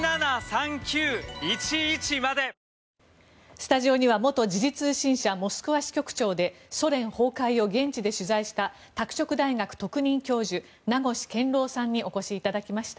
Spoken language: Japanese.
スタジオには元時事通信社モスクワ支局長でソ連崩壊を現地で取材した拓殖大学特任教授名越健郎さんにお越しいただきました。